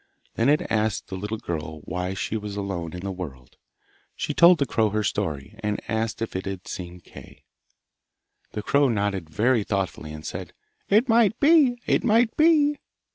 Then it asked the little girl why she was alone in the world. She told the crow her story, and asked if he had seen Kay. The crow nodded very thoughtfully and said, 'It might be! It might be!